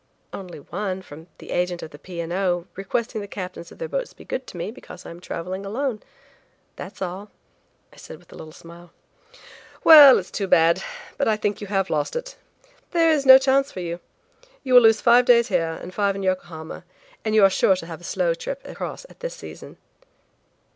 "Only one, from the agent of the P. and O., requesting the captains of their boats to be good to me because I am traveling alone. That is all," I said with a little smile. "Well, it's too bad; but I think you have lost it. There is no chance for you. You will lose five days here and five in Yokohoma, and you are sure to have a slow trip across at this season.